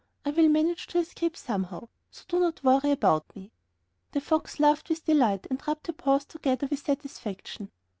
I will manage to escape somehow, so do not worry about me." The fox laughed with delight, and rubbed her paws together with satisfaction.